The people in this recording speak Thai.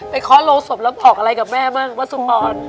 ไปข้อโรคศพแล้วบอกอะไรกับแม่บ้างป้าสุภร